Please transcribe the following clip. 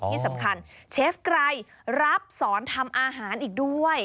ที่สำคัญเชฟไกรรับสอนทำอาหารอีกด้วย